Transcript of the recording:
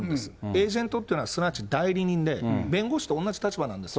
エージェントっていうのは、すなわち代理人で、弁護士と同じ立場なんです。